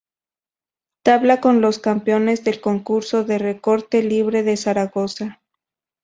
Tabla con los campeones del concurso de recorte libre de Zaragoza.